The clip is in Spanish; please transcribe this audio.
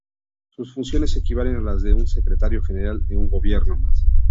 Sus funciones equivalen a las de un secretario general de un gobierno.